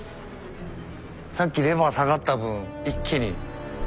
さっきレバー下がった分一気に。